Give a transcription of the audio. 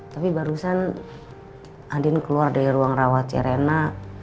tapi barusan andien keluar dari ruang rawat rena